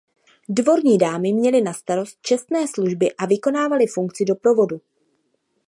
Dvorní dámy měly na starost čestné služby a vykonávaly funkci doprovodu.